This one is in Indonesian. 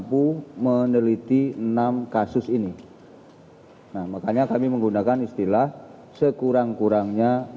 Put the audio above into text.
kemudian kasus sekjen mahkamah agung